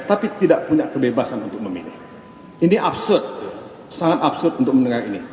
tapi tidak punya kebebasan untuk memilih ini absurd sangat absurd untuk mendengar ini